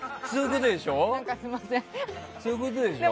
そういうことでしょ？